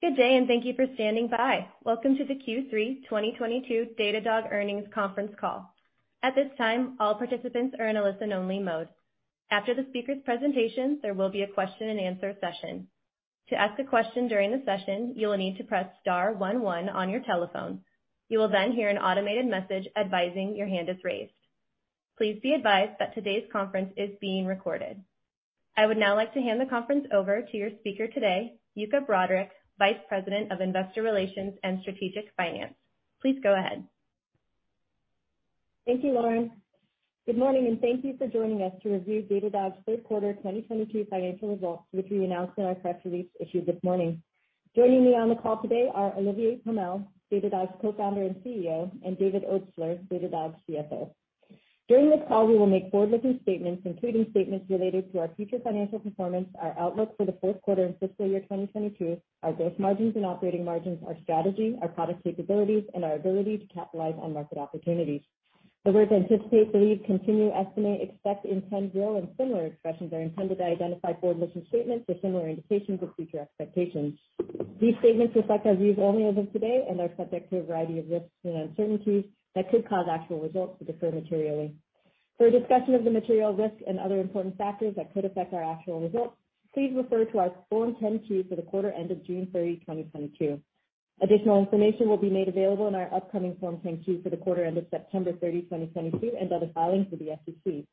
Good day, and thank you for standing by. Welcome to the Q3 2022 Datadog earnings conference call. At this time, all participants are in a listen-only mode. After the speaker's presentation, there will be a question-and-answer session. To ask a question during the session, you will need to press star one one on your telephone. You will then hear an automated message advising your hand is raised. Please be advised that today's conference is being recorded. I would now like to hand the conference over to your speaker today, Yuka Broderick, Vice President of Investor Relations and Strategic Finance. Please go ahead. Thank you, Lauren. Good morning, and thank you for joining us to review Datadog's third quarter 2022 financial results, which we announced in our press release issued this morning. Joining me on the call today are Olivier Pomel, Datadog's Co-founder and CEO, and David Obstler, Datadog's CFO. During this call, we will make forward-looking statements, including statements related to our future financial performance, our outlook for the fourth quarter and fiscal year 2022, our gross margins and operating margins, our strategy, our product capabilities, and our ability to capitalize on market opportunities. The words anticipate, believe, continue, estimate, expect, intend, will, and similar expressions are intended to identify forward-looking statements or similar indications of future expectations. These statements reflect our views only as of today and are subject to a variety of risks and uncertainties that could cause actual results to differ materially. For a discussion of the material risks and other important factors that could affect our actual results, please refer to our Form 10-Q for the quarter ended June 30, 2022. Additional information will be made available in our upcoming Form 10-Q for the quarter ended September 30, 2022, and other filings with the SEC.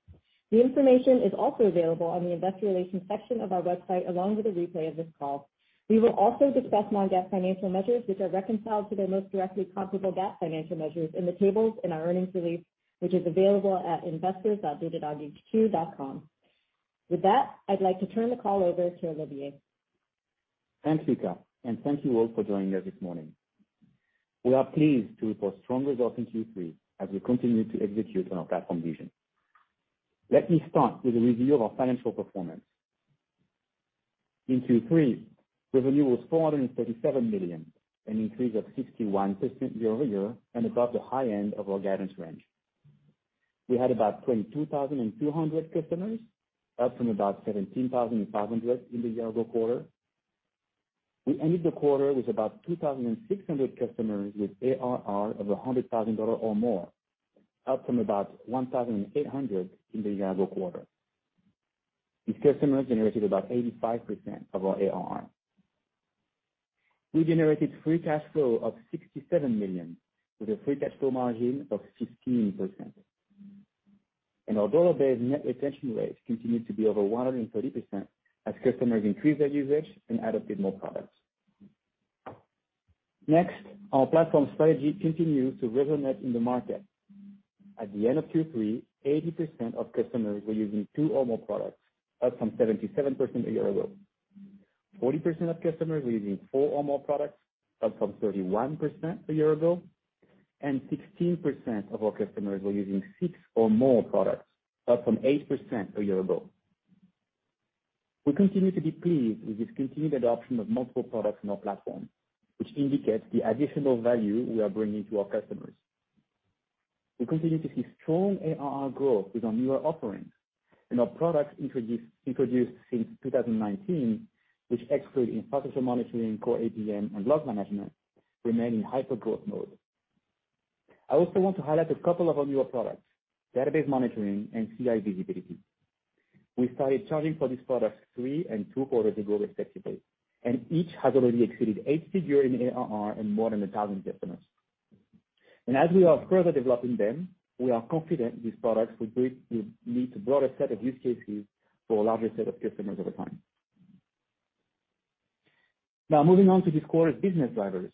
The information is also available on the investor relations section of our website, along with a replay of this call. We will also discuss non-GAAP financial measures, which are reconciled to their most directly comparable GAAP financial measures in the tables in our earnings release, which is available at investors.datadoghq.com. With that, I'd like to turn the call over to Olivier. Thanks, Yuka, and thank you all for joining us this morning. We are pleased to report strong results in Q3 as we continue to execute on our platform vision. Let me start with a review of our financial performance. In Q3, revenue was $437 million, an increase of 61% year-over-year, and above the high end of our guidance range. We had about 22,200 customers, up from about 17,500 in the year-ago quarter. We ended the quarter with about 2,600 customers with ARR of $100,000 or more, up from about 1,800 in the year-ago quarter. These customers generated about 85% of our ARR. We generated free cash flow of $67 million, with a free cash flow margin of 16%. Our dollar-based net retention rate continued to be over 130% as customers increased their usage and adopted more products. Next, our platform strategy continued to resonate in the market. At the end of Q3, 80% of customers were using two or more products, up from 77% a year ago. 40% of customers were using four or more products, up from 31% a year ago, and 16% of our customers were using six or more products, up from 8% a year ago. We continue to be pleased with this continued adoption of multiple products in our platform, which indicates the additional value we are bringing to our customers. We continue to see strong ARR growth with our newer offerings and our products introduced since 2019, which, except for process monitoring, core APM, and Log Management remain in hypergrowth mode. I also want to highlight a couple of our newer products, Database Monitoring and CI Visibility. We started charging for these products three and two quarters ago, respectively, and each has already exceeded eight-figure in ARR and more than 1,000 customers. As we are further developing them, we are confident these products will meet a broader set of use cases for a larger set of customers over time. Now moving on to this quarter's business drivers.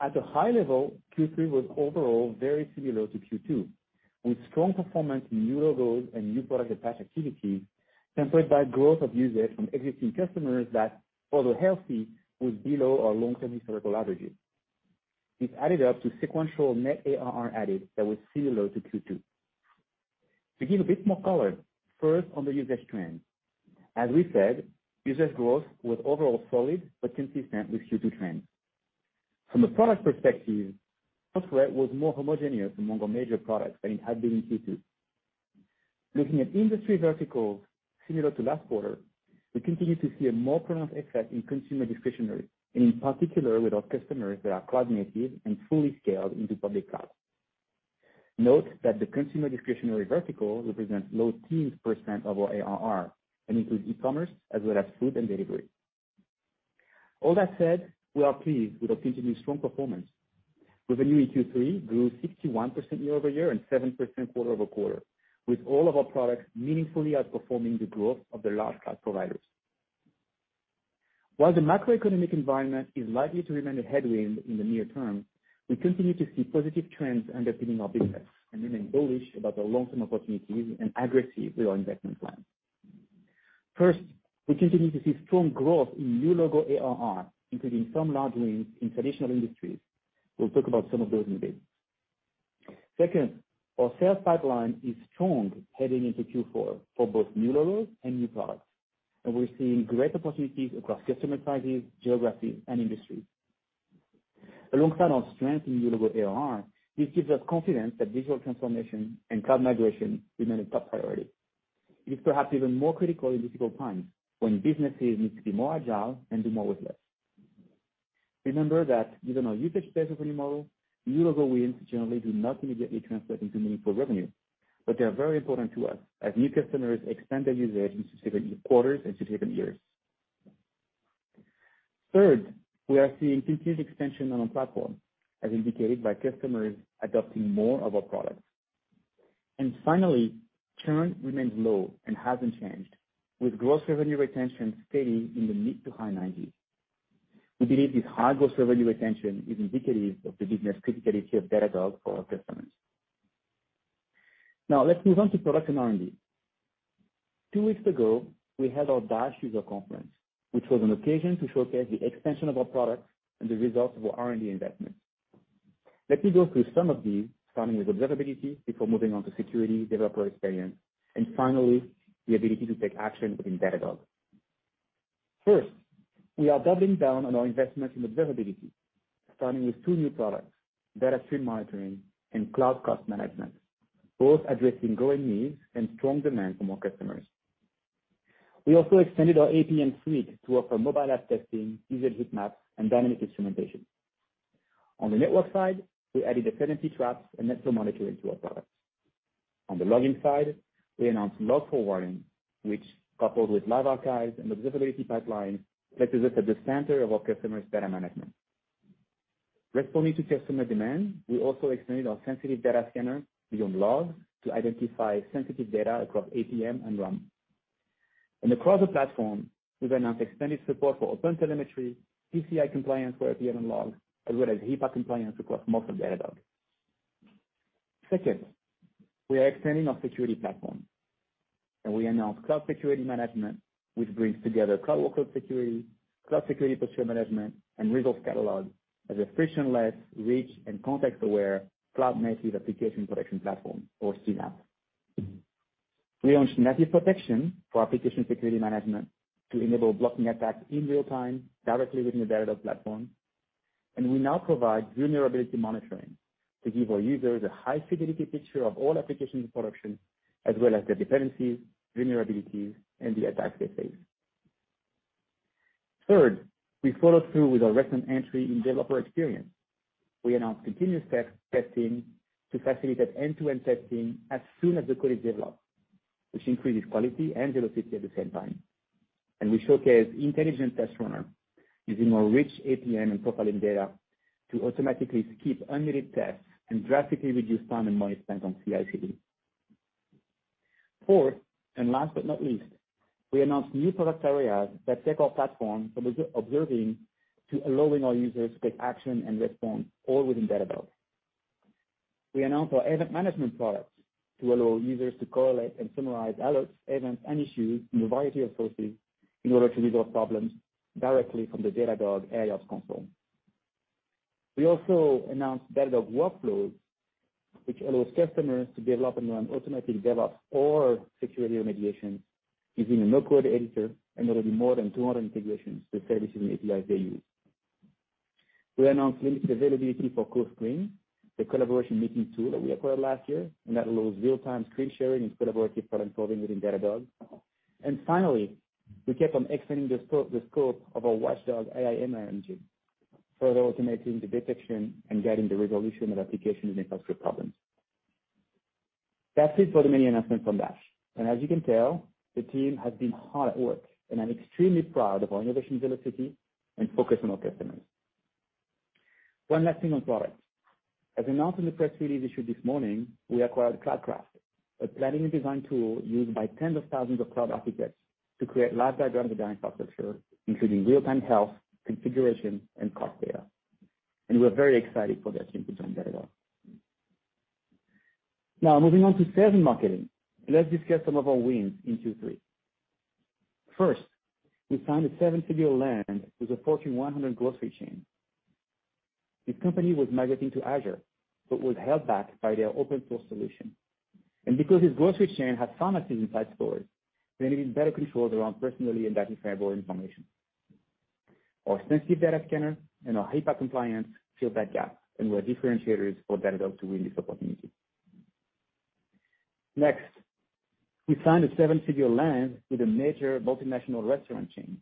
At a high level, Q3 was overall very similar to Q2, with strong performance in new logos and new product attach activities, tempered by growth of usage from existing customers that, although healthy, was below our long-term historical averages. This added up to sequential net ARR added that was similar to Q2. To give a bit more color, first on the usage trends. As we said, usage growth was overall solid but consistent with Q2 trends. From a product perspective, growth was more homogeneous among our major products than it had been in Q2. Looking at industry verticals similar to last quarter, we continue to see a more pronounced effect in consumer discretionary, and in particular with our customers that are cloud native and fully scaled into public cloud. Note that the consumer discretionary vertical represents low teens% of our ARR and includes e-commerce as well as food and delivery. All that said, we are pleased with our continuously strong performance. Revenue in Q3 grew 61% year-over-year and 7% quarter-over-quarter, with all of our products meaningfully outperforming the growth of the large cloud providers. While the macroeconomic environment is likely to remain a headwind in the near term, we continue to see positive trends underpinning our business and remain bullish about our long-term opportunities and aggressive with our investment plan. First, we continue to see strong growth in new logo ARR, including some large wins in traditional industries. We'll talk about some of those in a bit. Second, our sales pipeline is strong heading into Q4 for both new logos and new products, and we're seeing great opportunities across customer sizes, geography, and industries. Alongside our strength in new logo ARR, this gives us confidence that digital transformation and cloud migration remain a top priority. It is perhaps even more critical in difficult times when businesses need to be more agile and do more with less. Remember that given our usage-based revenue model, new logo wins generally do not immediately translate into meaningful revenue, but they are very important to us as new customers expand their usage into different quarters and different years. Third, we are seeing continued expansion on our platform, as indicated by customers adopting more of our products. Finally, churn remains low and hasn't changed, with gross revenue retention steady in the mid- to high 90s%. We believe this high gross revenue retention is indicative of the business criticality of Datadog for our customers. Now let's move on to product and R&D. Two weeks ago, we had our DASH user conference, which was an occasion to showcase the expansion of our products and the results of our R&D investments. Let me go through some of these, starting with observability before moving on to security, developer experience, and finally, the ability to take action within Datadog. First, we are doubling down on our investment in observability, starting with two new products, Data Streams Monitoring and Cloud Cost Management, both addressing growing needs and strong demand from our customers. We also extended our APM suite to offer Mobile App Testing, user heat map, and Dynamic Instrumentation. On the network side, we added dependency maps and network monitoring to our products. On the logging side, we announced Log Forwarding, which coupled with Online Archives and Observability Pipelines, places us at the center of our customers' data management. Responding to customer demand, we also expanded our Sensitive Data Scanner beyond logs to identify sensitive data across APM and RUM. Across the platform, we've announced expanded support for OpenTelemetry, PCI compliance for APM and logs, as well as HIPAA compliance across most of Datadog. Second, we are expanding our security platform, and we announced Cloud Security Management, which brings together Cloud Workload Security, Cloud Security Posture Management, and Resource Catalog as a frictionless, rich, and context-aware cloud-native application protection platform or CNAPP. We launched native protection for Application Security Management to enable blocking attacks in real time directly within the Datadog platform. We now provide vulnerability monitoring to give our users a high-fidelity picture of all applications in production, as well as their dependencies, vulnerabilities, and the attacks they face. Third, we followed through with our recent entry in developer experience. We announced Continuous Testing to facilitate end-to-end testing as soon as the code is developed, which increases quality and velocity at the same time. We showcased Intelligent Test Runner using our rich APM and profiling data to automatically skip unneeded tests and drastically reduce time and money spent on CI/CD. Fourth and last but not least, we announced new product areas that take our platform from observing to allowing our users to take action and respond, all within Datadog. We announced our Event Management product to allow users to correlate and summarize alerts, events, and issues from a variety of sources in order to resolve problems directly from the Datadog AIOps console. We also announced Datadog Workflows, which allows customers to develop and run automatic DevOps or security remediation using a no-code editor and over more than 200 integrations to services and APIs they use. We announced limited availability for CoScreen, the collaboration meeting tool that we acquired last year, and that allows real-time screen sharing and collaborative problem-solving within Datadog. Finally, we kept on expanding the scope of our Watchdog AI ML engine, further automating the detection and guiding the resolution of application and infrastructure problems. That's it for the many announcements from DASH, and as you can tell, the team has been hard at work, and I'm extremely proud of our innovation velocity and focus on our customers. One last thing on products. As announced in the press release issued this morning, we acquired Cloudcraft, a planning and design tool used by tens of thousands of cloud architects to create live diagrams of their infrastructure, including real-time health, configuration, and cost data. We are very excited for their team to join Datadog. Now moving on to sales and marketing. Let's discuss some of our wins in Q3. First, we signed a seven-figure land with a Fortune 100 grocery chain. This company was migrating to Azure but was held back by their open source solution. Because this grocery chain has pharmacy inside stores, they needed better control around personally identifiable information. Our Sensitive Data Scanner and our HIPAA compliance filled that gap and were differentiators for Datadog to win this opportunity. Next, we signed a seven-figure deal with a major multinational restaurant chain.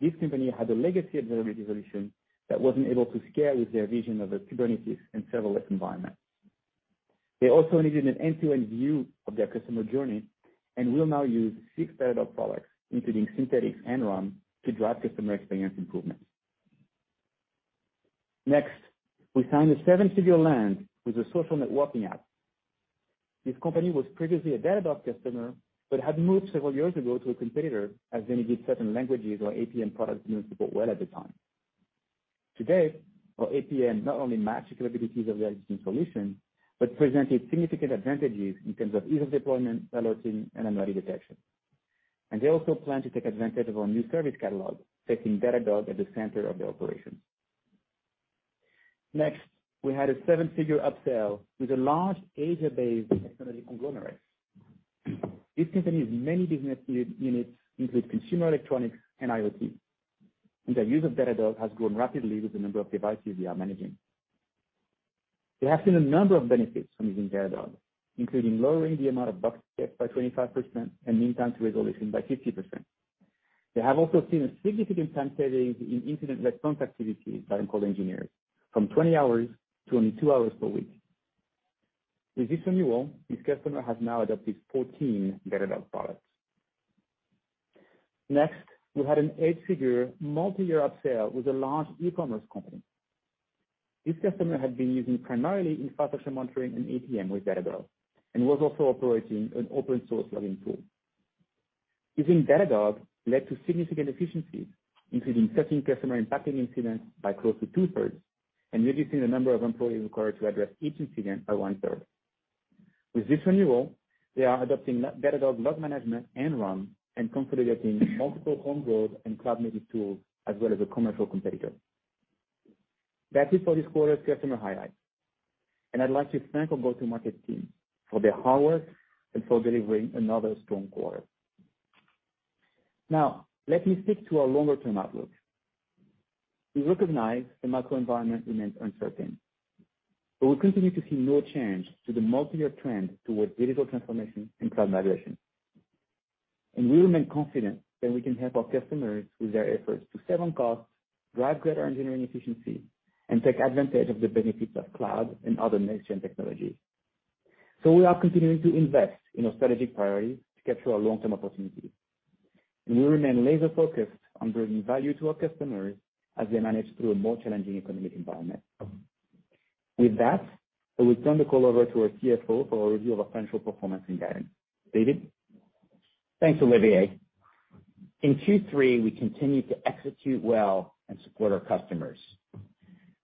This company had a legacy observability solution that wasn't able to scale with their vision of a Kubernetes and serverless environment. They also needed an end-to-end view of their customer journey and will now use six Datadog products, including Synthetics and RUM, to drive customer experience improvements. Next, we signed a seven-figure deal with a social networking app. This company was previously a Datadog customer but had moved several years ago to a competitor, as they needed certain languages or APM products we didn't support well at the time. Today, our APM not only matched the capabilities of their existing solution but presented significant advantages in terms of ease of deployment, alerting, and anomaly detection. They also plan to take advantage of our new Service Catalog, placing Datadog at the center of their operation. Next, we had a seven-figure upsell with a large Asia-based technology conglomerate. This company's many business units include consumer electronics and IoT, and their use of Datadog has grown rapidly with the number of devices they are managing. They have seen a number of benefits from using Datadog, including lowering the amount of bug checks by 25% and mean time to resolution by 50%. They have also seen a significant time savings in incident response activities by their engineers from 20 hours to only two hours per week. With this annual, this customer has now adopted 14 Datadog products. Next, we had an eight-figure multi-year upsell with a large e-commerce company. This customer had been using primarily Infrastructure Monitoring and APM with Datadog and was also operating an open source logging tool. Using Datadog led to significant efficiencies, including cutting customer impacting incidents by close to 2/3 and reducing the number of employees required to address each incident by 1/3. With this renewal, they are adopting Datadog Log Management and RUM and consolidating multiple home-grown and cloud-native tools as well as a commercial competitor. That's it for this quarter's customer highlights. I'd like to thank our go-to-market team for their hard work and for delivering another strong quarter. Now let me stick to our longer-term outlook. We recognize the macro environment remains uncertain, but we continue to see no change to the multi-year trend towards digital transformation and cloud migration. We remain confident that we can help our customers with their efforts to save on costs, drive greater engineering efficiency, and take advantage of the benefits of cloud and other next-gen technologies. We are continuing to invest in our strategic priorities to capture our long-term opportunities, and we remain laser-focused on bringing value to our customers as they manage through a more challenging economic environment. With that, I will turn the call over to our CFO for a review of our financial performance and guidance. David? Thanks, Olivier. In Q3, we continued to execute well and support our customers.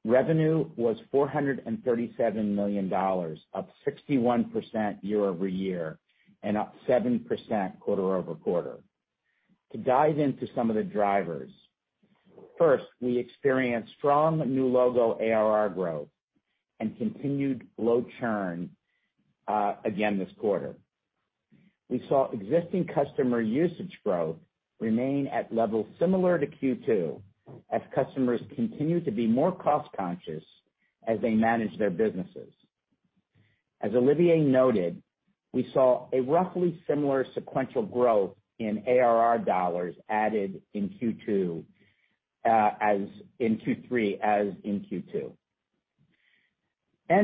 Revenue was $437 million, up 61% year-over-year and up 7% quarter-over-quarter. To dive into some of the drivers, first, we experienced strong new logo ARR growth and continued low churn again this quarter. We saw existing customer usage growth remain at levels similar to Q2 as customers continue to be more cost conscious as they manage their businesses. As Olivier noted, we saw a roughly similar sequential growth in ARR dollars added in Q3 as in Q2.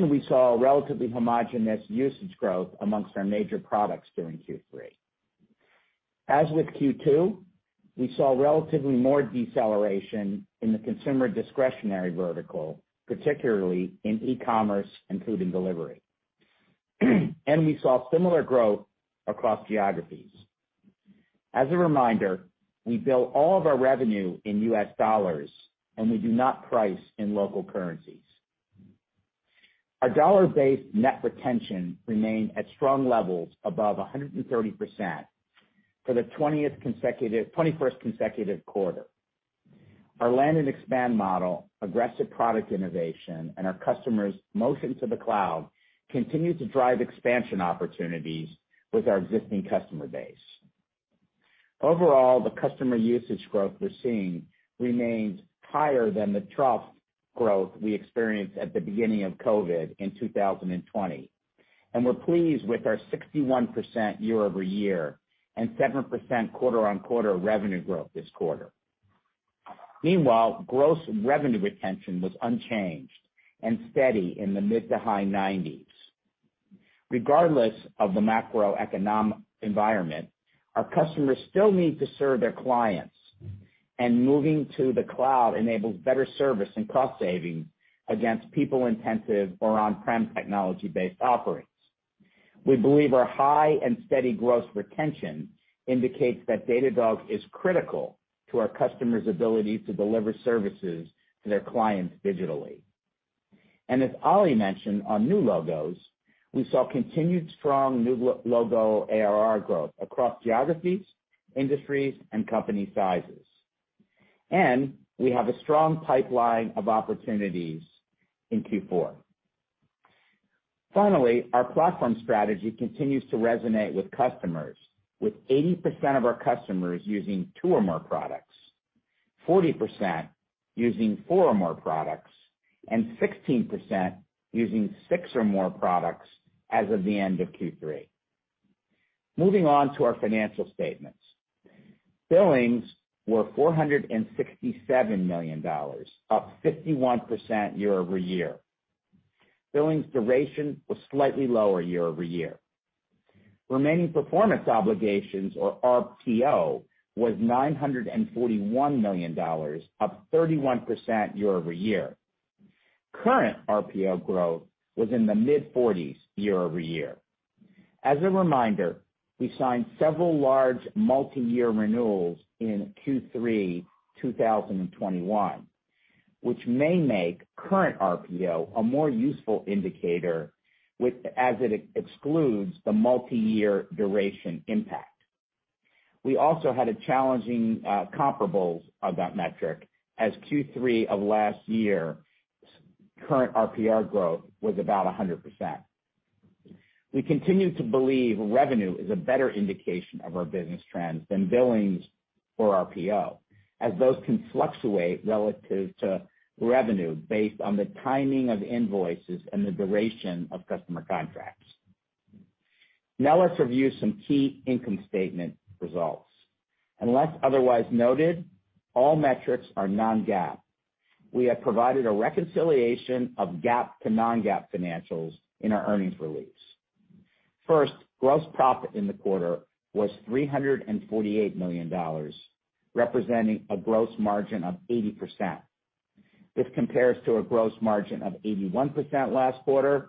We saw a relatively homogeneous usage growth amongst our major products during Q3. As with Q2, we saw relatively more deceleration in the consumer discretionary vertical, particularly in e-commerce and food and delivery. We saw similar growth across geographies. As a reminder, we bill all of our revenue in U.S. dollars, and we do not price in local currencies. Our dollar-based net retention remained at strong levels above 130% for the 21st consecutive quarter. Our land and expand model, aggressive product innovation, and our customers' motion to the cloud continue to drive expansion opportunities with our existing customer base. Overall, the customer usage growth we're seeing remains higher than the trough growth we experienced at the beginning of COVID in 2020, and we're pleased with our 61% year-over-year and 7% quarter-over-quarter revenue growth this quarter. Meanwhile, gross revenue retention was unchanged and steady in the mid- to high 90s. Regardless of the macroeconomic environment, our customers still need to serve their clients, and moving to the cloud enables better service and cost saving against people-intensive or on-prem technology-based offerings. We believe our high and steady growth retention indicates that Datadog is critical to our customers' ability to deliver services to their clients digitally. As Oli mentioned on new logos, we saw continued strong new logo ARR growth across geographies, industries, and company sizes. We have a strong pipeline of opportunities in Q4. Finally, our platform strategy continues to resonate with customers. With 80% of our customers using two or more products, 40% using four or more products, and 16% using six or more products as of the end of Q3. Moving on to our financial statements. Billings were $467 million, up 51% year-over-year. Billings duration was slightly lower year-over-year. Remaining performance obligations or RPO was $941 million, up 31% year-over-year. Current RPO growth was in the mid-40s% year-over-year. As a reminder, we signed several large multi-year renewals in Q3 2021, which may make current RPO a more useful indicator, as it excludes the multi-year duration impact. We also had a challenging comparables of that metric as Q3 of last year's current RPO growth was about 100%. We continue to believe revenue is a better indication of our business trends than billings or RPO, as those can fluctuate relative to revenue based on the timing of invoices and the duration of customer contracts. Now let's review some key income statement results. Unless otherwise noted, all metrics are non-GAAP. We have provided a reconciliation of GAAP to non-GAAP financials in our earnings release. First, gross profit in the quarter was $348 million, representing a gross margin of 80%. This compares to a gross margin of 81% last quarter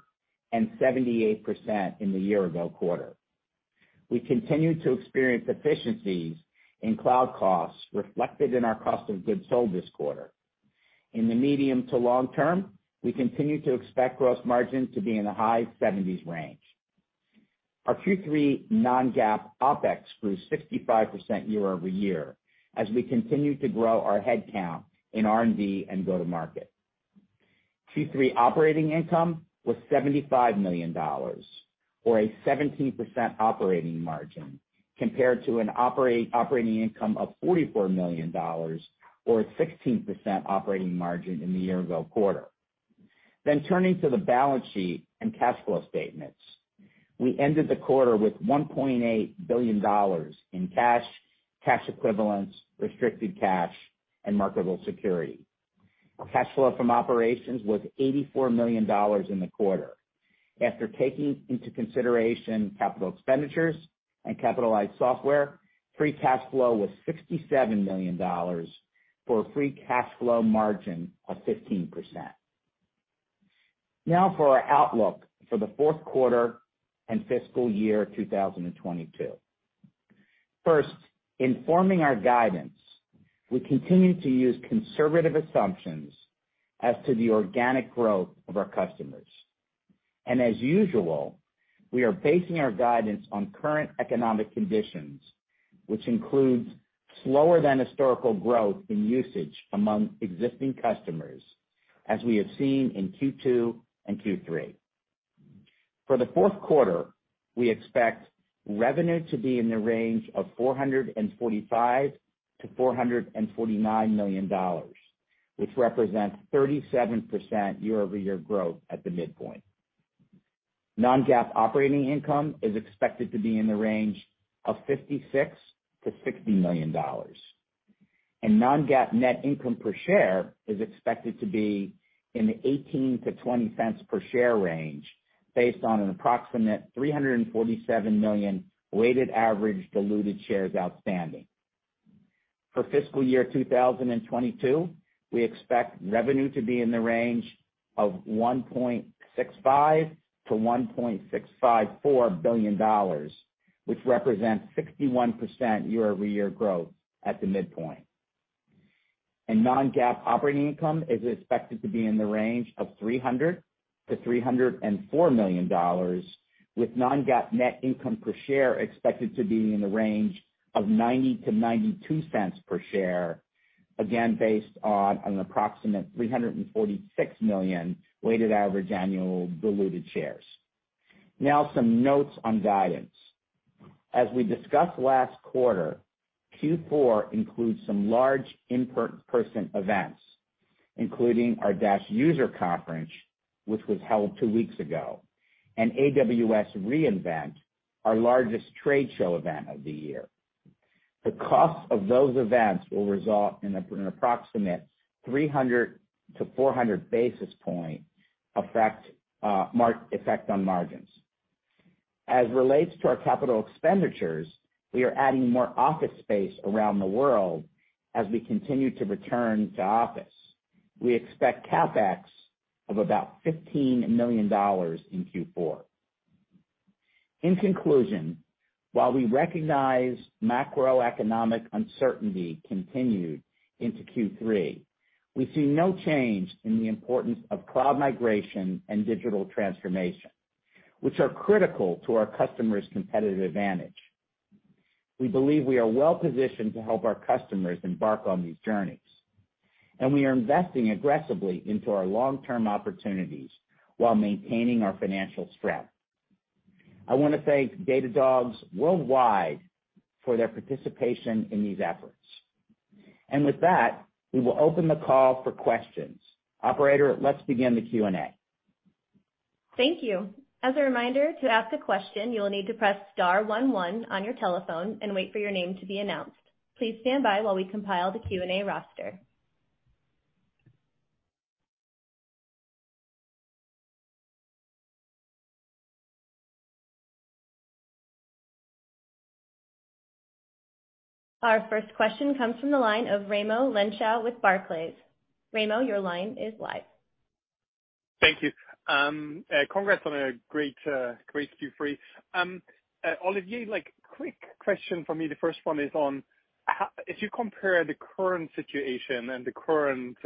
and 78% in the year-ago quarter. We continue to experience efficiencies in cloud costs reflected in our cost of goods sold this quarter. In the medium to long term, we continue to expect gross margin to be in the high 70s range. Our Q3 non-GAAP OpEx grew 65% year-over-year as we continued to grow our head count in R&D and go-to-market. Q3 operating income was $75 million, or a 17% operating margin, compared to an operating income of $44 million or a 16% operating margin in the year-ago quarter. Turning to the balance sheet and cash flow statements. We ended the quarter with $1.8 billion in cash equivalents, restricted cash, and marketable securities. Our cash flow from operations was $84 million in the quarter. After taking into consideration capital expenditures and capitalized software, free cash flow was $67 million, for a free cash flow margin of 15%. Now for our outlook for the fourth quarter and fiscal year 2022. First, in forming our guidance, we continue to use conservative assumptions as to the organic growth of our customers. As usual, we are basing our guidance on current economic conditions, which includes slower than historical growth in usage among existing customers, as we have seen in Q2 and Q3. For the fourth quarter, we expect revenue to be in the range of $445 million-$449 million, which represents 37% year-over-year growth at the midpoint. Non-GAAP operating income is expected to be in the range of $56 million-$60 million. Non-GAAP net income per share is expected to be in the $0.18-$0.20 per share range based on an approximate 347 million weighted average diluted shares outstanding. For fiscal year 2022, we expect revenue to be in the range of $1.65 billion-$1.654 billion, which represents 61% year-over-year growth at the midpoint. Non-GAAP operating income is expected to be in the range of $300 million-$304 million, with non-GAAP net income per share expected to be in the range of $0.90-$0.92 per share, again based on an approximate 346 million weighted average annual diluted shares. Now some notes on guidance. As we discussed last quarter, Q4 includes some large in-person events, including our DASH user conference, which was held two weeks ago, and AWS re:Invent, our largest trade show event of the year. The cost of those events will result in an approximate 300 basis points-400 basis points effect on margins. As relates to our capital expenditures, we are adding more office space around the world as we continue to return to office. We expect CapEx of about $15 million in Q4. In conclusion, while we recognize macroeconomic uncertainty continued into Q3, we see no change in the importance of cloud migration and digital transformation, which are critical to our customers' competitive advantage. We believe we are well positioned to help our customers embark on these journeys, and we are investing aggressively into our long-term opportunities while maintaining our financial strength. I wanna thank Datadog's worldwide for their participation in these efforts. With that, we will open the call for questions. Operator, let's begin the Q&A. Thank you. As a reminder, to ask a question, you will need to press star one one on your telephone and wait for your name to be announced. Please stand by while we compile the Q&A roster. Our first question comes from the line of Raimo Lenschow with Barclays. Raimo, your line is live. Thank you. Congrats on a great Q3. Olivier, like quick question for me. The first one is on how if you compare the current situation and the current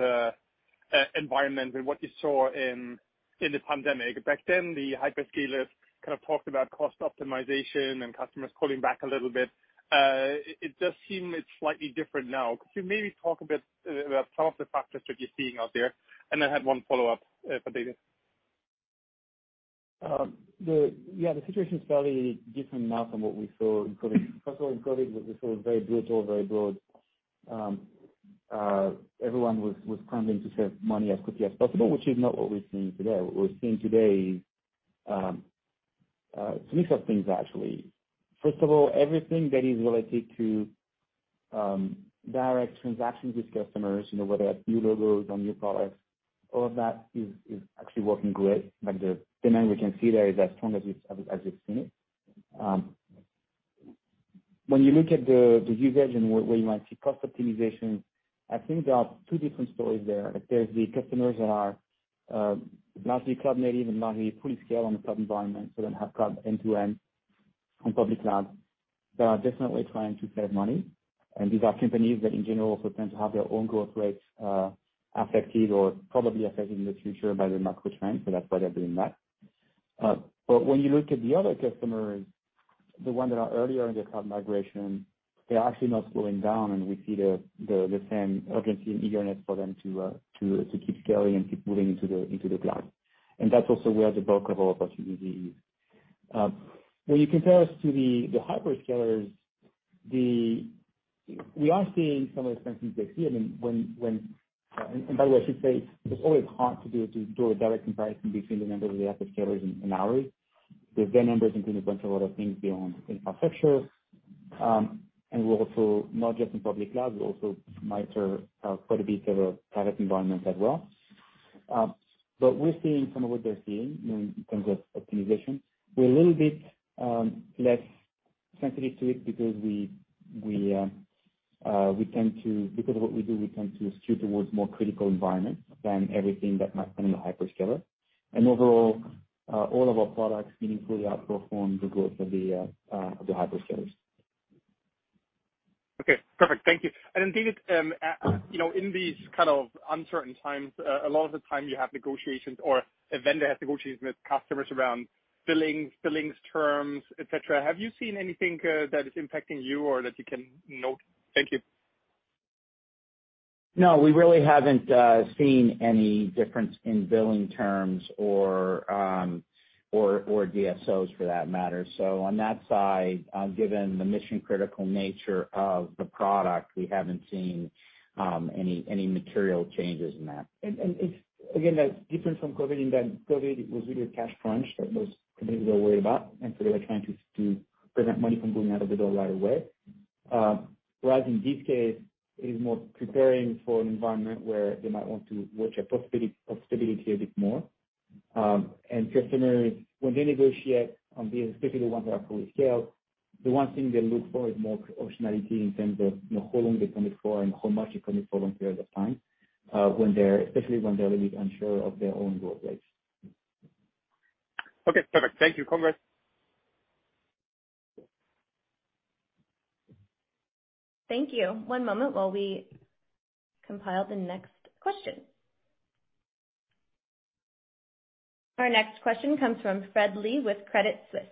environment and what you saw in the pandemic. Back then, the hyperscalers kind of talked about cost optimization and customers pulling back a little bit. It does seem it's slightly different now. Could you maybe talk a bit about some of the factors that you're seeing out there? I had one follow-up for David. The situation is fairly different now from what we saw in COVID. First of all, in COVID, we saw very brutal, very broad, everyone was scrambling to save money as quickly as possible, which is not what we're seeing today. What we're seeing today, it's a mix of things actually. First of all, everything that is related to direct transactions with customers, you know, whether that's new logos or new products, all of that is actually working great. Like, the demand we can see there is as strong as we've seen it. When you look at the usage and where you might see cost optimization, I think there are two different stories there. Like, there's the customers that are largely cloud native and largely fully scaled on the cloud environment, so they have cloud end-to-end on public cloud. They are definitely trying to save money. These are companies that in general could tend to have their own growth rates affected or probably affected in the future by the macro trends, so that's why they're doing that. But when you look at the other customers, the ones that are earlier in their cloud migration, they're actually not slowing down, and we see the same urgency and eagerness for them to keep scaling and keep moving into the cloud. That's also where the bulk of our opportunity is. When you compare us to the hyperscalers, we are seeing some of the same things they're seeing when. By the way, I should say it's always hard to do a direct comparison between the numbers of the hyperscalers and ours. Their numbers include a bunch of other things beyond infrastructure, and we're also not just in public cloud, we also might serve quite a bit of private environments as well. We're seeing some of what they're seeing, you know, in terms of optimization. We're a little bit less sensitive to it because of what we do, we tend to skew towards more critical environments than everything that might be in the hyperscaler. Overall, all of our products meaningfully outperformed the growth of the hyperscalers. Okay, perfect. Thank you. David, you know, in these kind of uncertain times, a lot of the time you have negotiations or a vendor has negotiations with customers around billings terms, et cetera. Have you seen anything that is impacting you or that you can note? Thank you. No, we really haven't seen any difference in billing terms or DSOs for that matter. On that side, given the mission-critical nature of the product, we haven't seen any material changes in that. It's different from COVID in that COVID was really a cash crunch that most companies were worried about, and so they were trying to prevent money from going out of the door right away. Whereas in this case it is more preparing for an environment where they might want to watch their profitability a bit more. Customers, when they negotiate on this, especially the ones that are fully scaled, the one thing they look for is more optionality in terms of, you know, how long they commit for and how much they commit for long periods of time, when they're especially a little bit unsure of their own growth rates. Okay, perfect. Thank you. Congress? Thank you. One moment while we compile the next question. Our next question comes from Fred Lee with Credit Suisse.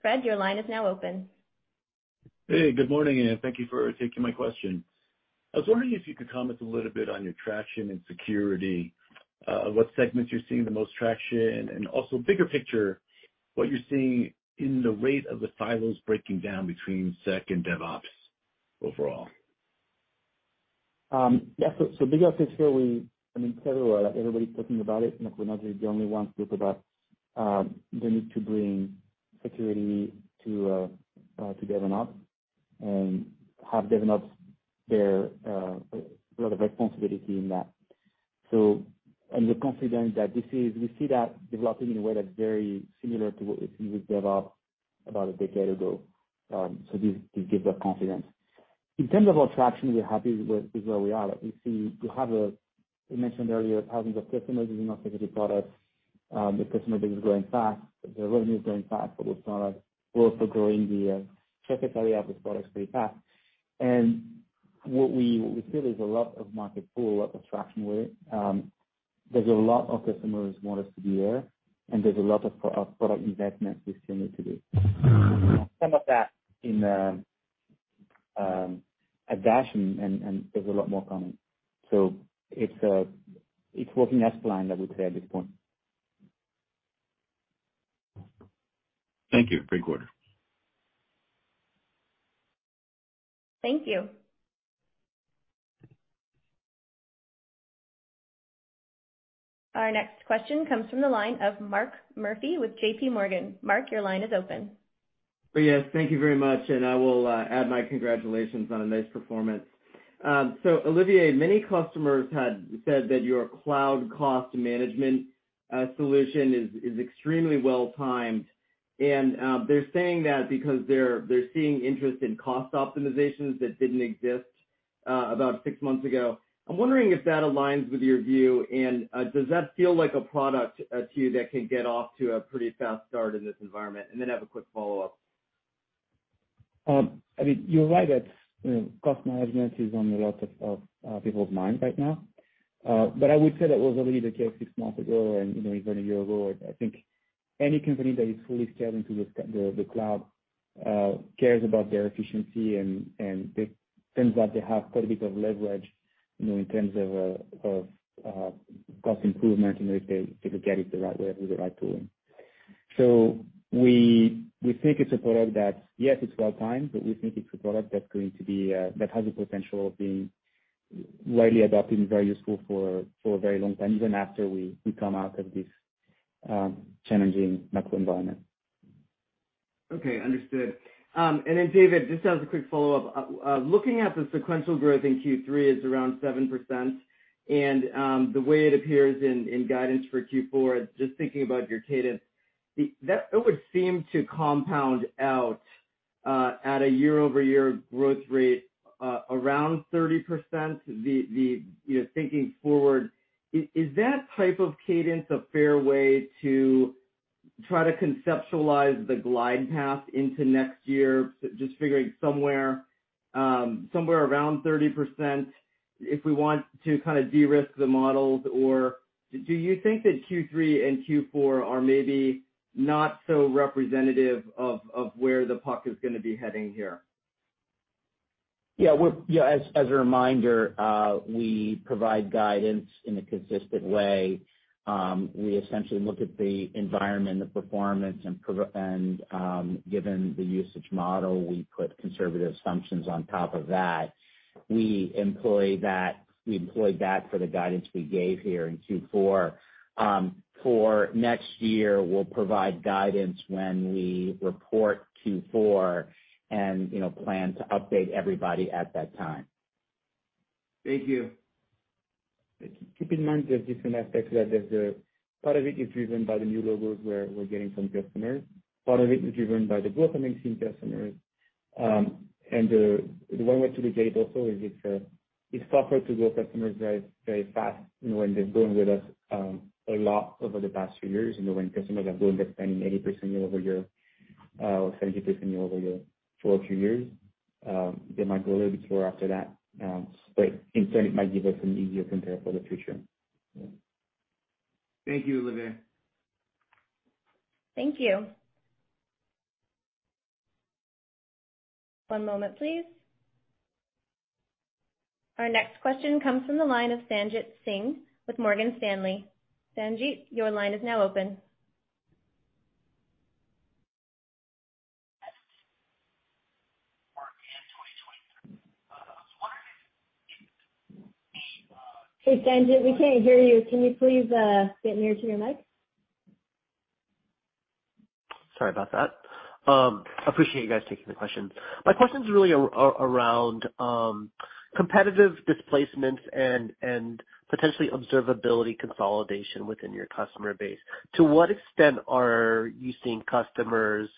Fred, your line is now open. Hey, good morning, and thank you for taking my question. I was wondering if you could comment a little bit on your traction in security, what segments you're seeing the most traction and also bigger picture, what you're seeing in the rate of the silos breaking down between Sec and DevOps overall. Yeah. Bigger picture, I mean, everywhere, like, everybody's talking about it, you know, we're not the only ones talking about the need to bring security to DevOps and have DevOps bear a lot of responsibility in that. We're confident that we see that developing in a way that's very similar to what we've seen with DevOps about a decade ago. This gives us confidence. In terms of our traction, we're happy with where we are. Like, we have, we mentioned earlier, thousands of customers using our security products. The customer base is growing fast. The revenue is growing fast, but we're sort of also growing the surface area of these products pretty fast. What we see, there's a lot of market pull, a lot of traction with it. There's a lot of customers who want us to be there, and there's a lot of product investment we still need to do. Some of that at DASH and there's a lot more coming. It's working as planned, I would say, at this point. Thank you. Great quarter. Thank you. Our next question comes from the line of Mark Murphy with JPMorgan. Mark, your line is open. Oh, yes. Thank you very much. I will add my congratulations on a nice performance. So Olivier, many customers had said that your Cloud Cost Management solution is extremely well timed. They're saying that because they're seeing interest in cost optimizations that didn't exist about six months ago. I'm wondering if that aligns with your view and does that feel like a product to you that can get off to a pretty fast start in this environment? I have a quick follow-up. I mean, you're right that, you know, cost management is on a lot of people's minds right now. I would say that was already the case six months ago and, you know, even a year ago. I think any company that is fully scaled into the cloud cares about their efficiency and it seems like they have quite a bit of leverage, you know, in terms of cost improvement, you know, if they get it the right way with the right tool. We think it's a product that, yes, it's well-timed, but we think it's a product that's going to be that has the potential of being widely adopted and very useful for a very long time, even after we come out of this challenging macro environment. Okay, understood. Then David, just as a quick follow-up. Looking at the sequential growth in Q3 is around 7%. The way it appears in guidance for Q4, just thinking about your cadence, it would seem to compound out at a year-over-year growth rate around 30%. You know, thinking forward, is that type of cadence a fair way to try to conceptualize the glide path into next year, just figuring somewhere around 30% if we want to kind of de-risk the models? Or do you think that Q3 and Q4 are maybe not so representative of where the puck is gonna be heading here? As a reminder, we provide guidance in a consistent way. We essentially look at the environment, the performance, and given the usage model, we put conservative assumptions on top of that. We employed that for the guidance we gave here in Q4. For next year, we'll provide guidance when we report Q4 and plan to update everybody at that time. Thank you. Keep in mind, there's different aspects. Part of it is driven by the new logos where we're getting from customers. Part of it is driven by the growth of existing customers. One way to look at it also is it's tougher to grow customers very, very fast, you know, when they've grown with us a lot over the past few years, you know, when customers are growing, they're spending 80% year-over-year or 70% year-over-year for a few years. They might grow a little bit slower after that. In turn, it might give us an easier compare for the future. Yeah. Thank you, Olivier. Thank you. One moment, please. Our next question comes from the line of Sanjit Singh with Morgan Stanley. Sanjit, your line is now open. Hey, Sanjit, we can't hear you. Can you please get nearer to your mic? Sorry about that. Appreciate you guys taking the question. My question is really around competitive displacements and potentially observability consolidation within your customer base. To what extent are you seeing customers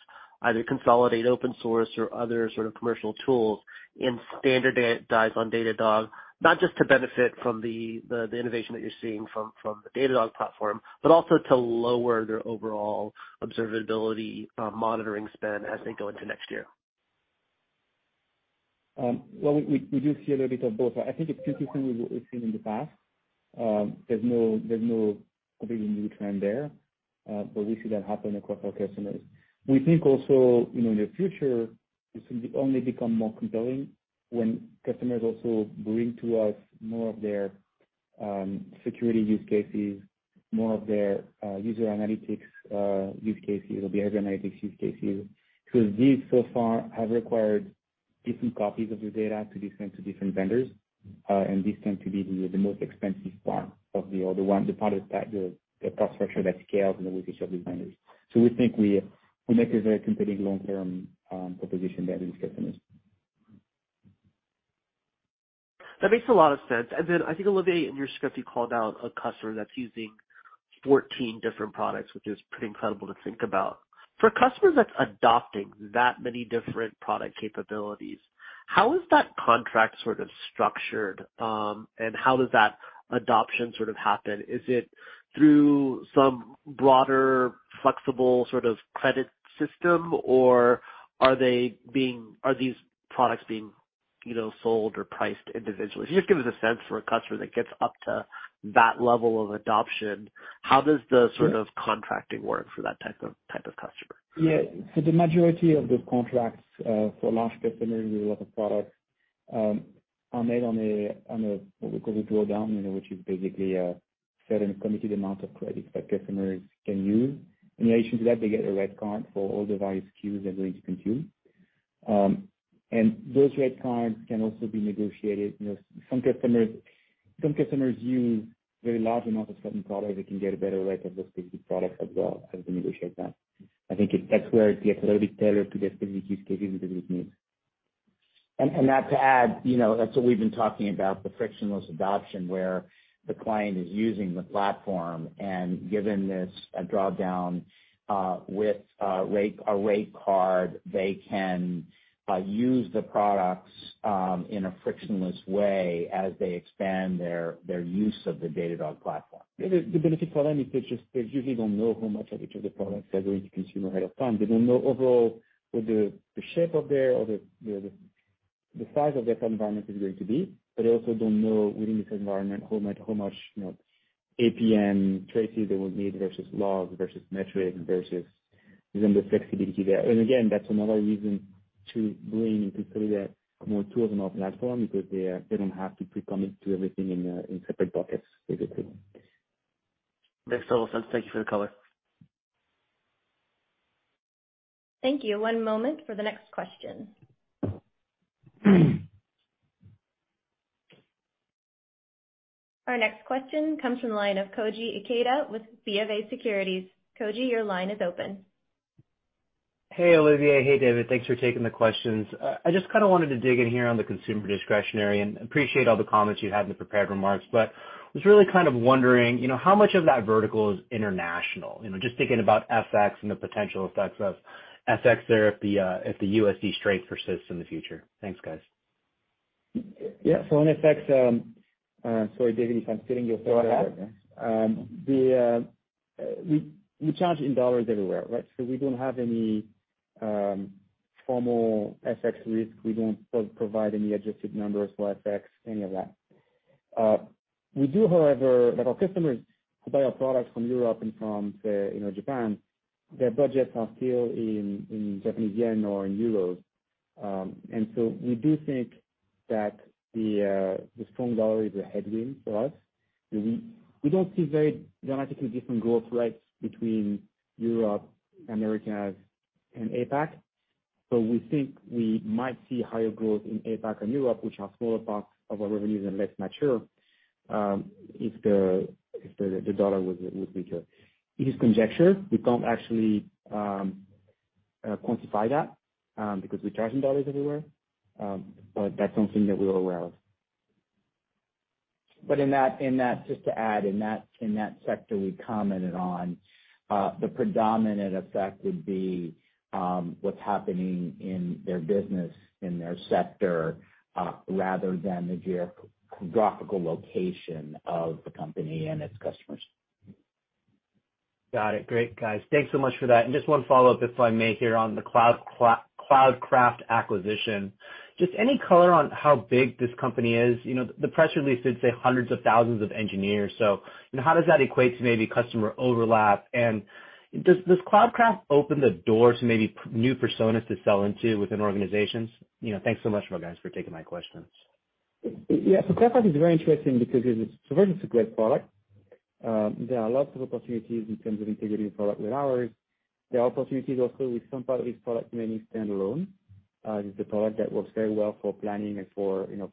either consolidate open source or other sort of commercial tools and standardize on Datadog, not just to benefit from the innovation that you're seeing from the Datadog platform, but also to lower their overall observability monitoring spend as they go into next year? Well, we do see a little bit of both. I think it's consistent with what we've seen in the past. There's no completely new trend there. We see that happen across our customers. We think also, you know, in the future, this will only become more compelling when customers also bring to us more of their security use cases, more of their user analytics use cases or behavior analytics use cases. Because these so far have required different copies of the data to different vendors. These tend to be the most expensive part of the other one, the product that the cost structure that scales, you know, with each of these vendors. We think we make a very compelling long-term proposition there with these customers. That makes a lot of sense. I think, Olivier, in your script, you called out a customer that's using 14 different products, which is pretty incredible to think about. For customers that's adopting that many different product capabilities, how is that contract sort of structured, and how does that adoption sort of happen? Is it through some broader, flexible sort of credit system, or are these products being, you know, sold or priced individually? Can you just give us a sense for a customer that gets up to that level of adoption, how does the sort of contracting work for that type of customer? Yeah. For the majority of those contracts, for large customers with a lot of products, are made on a what we call a draw down, you know, which is basically a certain committed amount of credits that customers can use. In relation to that, they get a rate card for all the various SKUs they're going to consume. Those rate cards can also be negotiated. You know, some customers use very large amounts of certain products. They can get a better rate of those specific products as well, as we negotiate that. That's where it gets a little bit tailored to the specific use case and specific needs. That to add, you know, that's what we've been talking about, the frictionless adoption, where the client is using the platform, and given this drawdown with a rate card, they can use the products in a frictionless way as they expand their use of the Datadog platform. Yeah. The benefit for them is they usually don't know how much of each of the products they're going to consume ahead of time. They don't know overall what the shape of their or the size of their environment is going to be, but I also don't know within this environment how much, you know, APM traces they will need versus logs versus metrics versus within the flexibility there. That's another reason to bring and to sell that more tools on our platform because they don't have to pre-commit to everything in separate buckets basically. Thanks to all. Thank you for the color. Thank you. One moment for the next question. Our next question comes from the line of Koji Ikeda with BFA Securities. Koji, your line is open. Hey, Olivier. Hey, David. Thanks for taking the questions. I just kind of wanted to dig in here on the consumer discretionary and appreciate all the comments you had in the prepared remarks. Was really kind of wondering, you know, how much of that vertical is international? You know, just thinking about FX and the potential effects of FX there if the USD strength persists in the future. Thanks, guys. Yeah. On FX, sorry, David, if I'm stepping on you. Go ahead. We charge in dollars everywhere, right? We don't have any formal FX risk. We don't provide any adjusted numbers for FX, any of that. Our customers who buy our products from Europe and from, say, you know, Japan, their budgets are still in Japanese yen or in euros. We do think that the strong dollar is a headwind for us. We don't see very dramatically different growth rates between Europe, Americas and APAC. We think we might see higher growth in APAC and Europe, which are smaller parts of our revenues and less mature if the dollar was weaker. It is conjecture. We can't actually quantify that because we charge in dollars everywhere. That's something that we're aware of. In that sector we commented on, the predominant effect would be what's happening in their business, in their sector, rather than the geographical location of the company and its customers. Got it. Great, guys. Thanks so much for that. Just one follow-up, if I may, here on the Cloudcraft acquisition. Just any color on how big this company is? You know, the press release did say hundreds of thousands of engineers. You know, how does that equate to maybe customer overlap? Does Cloudcraft open the door to maybe new personas to sell into within organizations? You know, thanks so much to you guys for taking my questions. Cloudcraft is very interesting because it is. One, it's a great product. There are lots of opportunities in terms of integrating the product with ours. There are opportunities also with some part of this product remaining standalone. It's a product that works very well for planning and for, you know,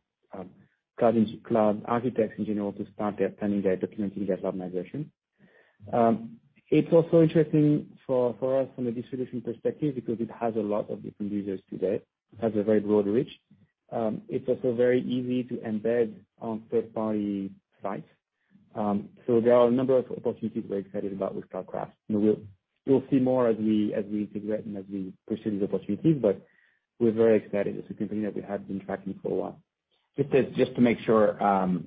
cloud architects in general to start their planning, their documenting their cloud migration. It's also interesting for us from a distribution perspective because it has a lot of different users today. It has a very broad reach. It's also very easy to embed on third-party sites. There are a number of opportunities we're excited about with Cloudcraft. We'll see more as we integrate and as we pursue these opportunities, but we're very excited. It's a company that we have been tracking for a while. Just to make sure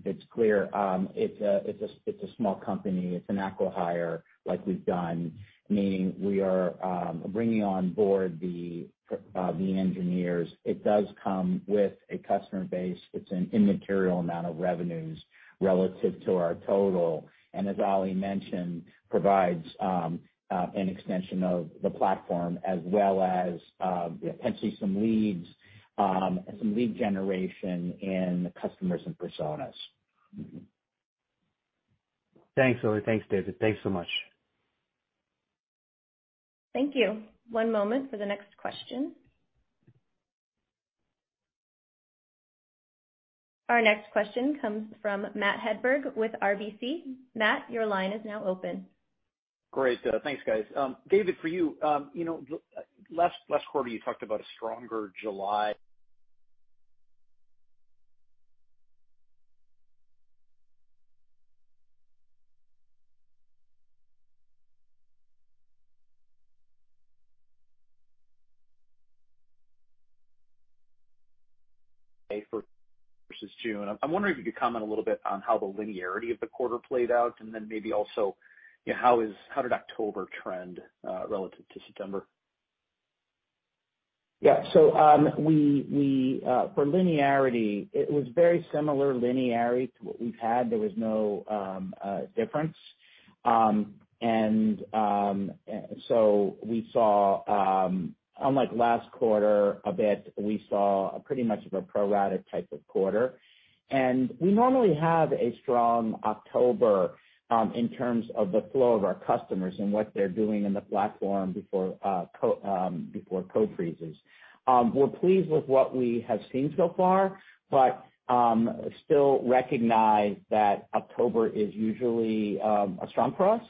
it's clear. It's a small company. It's an acqui-hire like we've done, meaning we are bringing on board the engineers. It does come with a customer base. It's an immaterial amount of revenues relative to our total, and as Olivier mentioned, provides an extension of the platform as well as potentially some leads, some lead generation in the customers and personas. Thanks, Olivier. Thanks, David. Thanks so much. Thank you. One moment for the next question. Our next question comes from Matt Hedberg with RBC. Matt, your line is now open. Great. Thanks, guys. David, for you. You know, last quarter, you talked about a stronger July versus June. I'm wondering if you could comment a little bit on how the linearity of the quarter played out, and then maybe also, you know, how did October trend relative to September? Yeah. For linearity, it was very similar linear to what we've had. There was no difference. We saw, unlike last quarter a bit, pretty much of a pro rata type of quarter. We normally have a strong October in terms of the flow of our customers and what they're doing in the platform before code freezes. We're pleased with what we have seen so far, but still recognize that October is usually a strong for us.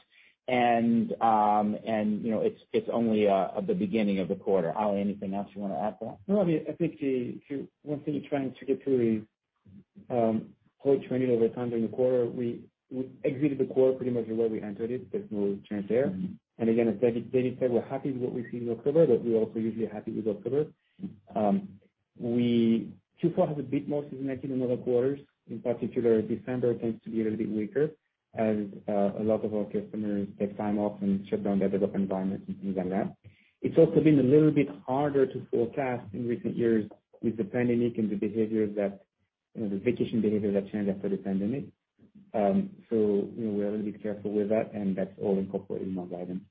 You know, it's only the beginning of the quarter. Oli, anything else you wanna add there? No, I mean, I think one thing you're trying to get to, the whole trending over time during the quarter, we exited the quarter pretty much the way we entered it. There's no change there. Mm-hmm. Again, as David said, we're happy with what we've seen in October, but we're also usually happy with October. Q4 has a bit more seasonality than other quarters. In particular, December tends to be a little bit weaker as a lot of our customers take time off and shut down their development environment and their lab. It's also been a little bit harder to forecast in recent years with the pandemic and the behavior that, you know, the vacation behavior that changed after the pandemic. We have to be careful with that, and that's all incorporated in our guidance.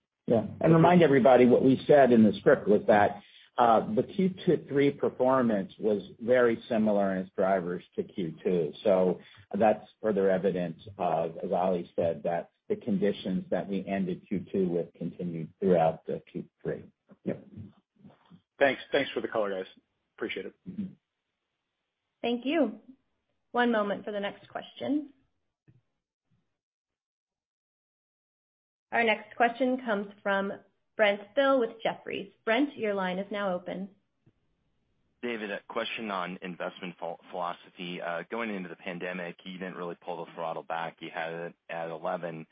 Remind everybody what we said in the script was that the Q3 performance was very similar in its drivers to Q2. That's further evidence of, as Oli said, that the conditions that we ended Q2 with continued throughout Q3. Yep. Thanks. Thanks for the color, guys. Appreciate it. Mm-hmm. Thank you. One moment for the next question. Our next question comes from Brent Thill with Jefferies. Brent, your line is now open. David, a question on investment philosophy. Going into the pandemic, you didn't really pull the throttle back. You had it at eleven.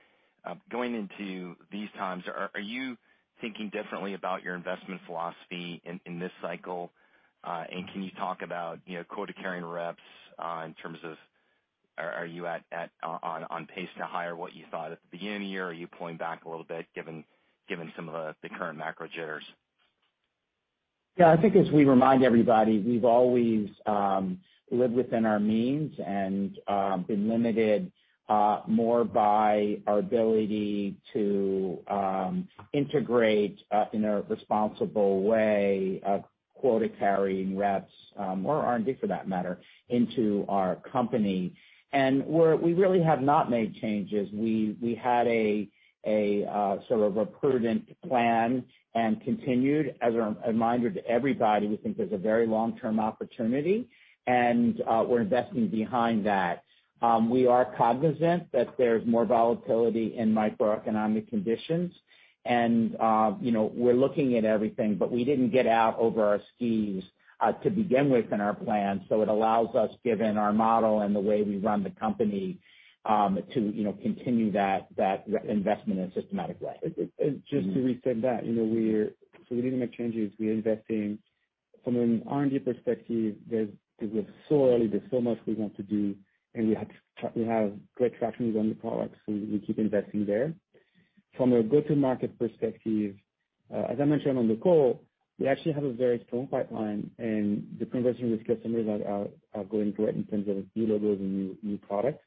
Going into these times, are you thinking differently about your investment philosophy in this cycle? Can you talk about, you know, quota-carrying reps, in terms of are you on pace to hire what you thought at the beginning of the year? Are you pulling back a little bit given some of the current macro jitters? Yeah. I think as we remind everybody, we've always lived within our means and been limited more by our ability to integrate in a responsible way of quota-carrying reps or R&D for that matter into our company. We really have not made changes. We had a sort of prudent plan and continued. As a reminder to everybody, we think there's a very long-term opportunity and we're investing behind that. We are cognizant that there's more volatility in macroeconomic conditions and you know, we're looking at everything, but we didn't get out over our skis to begin with in our plan, so it allows us, given our model and the way we run the company, to you know, continue that investment in a systematic way. Just to restate that, you know, we didn't make changes. We are investing from an R&D perspective. We're so early. There's so much we want to do, and we have great traction on the products, so we keep investing there. From a go-to-market perspective, as I mentioned on the call, we actually have a very strong pipeline and the conversations with customers are going great in terms of new logos and new products.